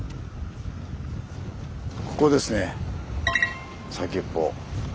ここですね先っぽ。